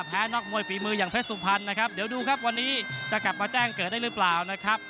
นอกมวยฝีมืออย่างเพชรสุพรรณนะครับเดี๋ยวดูครับวันนี้จะกลับมาแจ้งเกิดได้หรือเปล่านะครับ